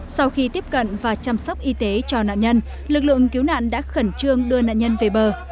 sau khi tiếp cận và chăm sóc y tế cho nạn nhân lực lượng cứu nạn đã khẩn trương đưa nạn nhân về bờ